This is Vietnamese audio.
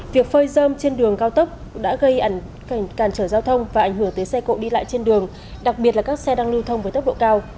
việc phơi dơm trên đường cao tốc đã gây cản trở giao thông và ảnh hưởng tới xe cộ đi lại trên đường đặc biệt là các xe đang lưu thông với tốc độ cao